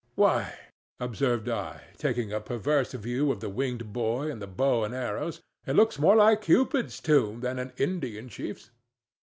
"Why," observed I, taking a perverse view of the winged boy and the bow and arrows, "it looks more like Cupid's tomb than an Indian chief's."